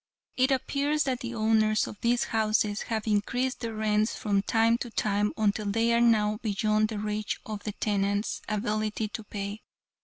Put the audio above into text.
It appears that the owners of these houses have increased the rents from time to time until they are now beyond the reach of the tenants' ability to pay.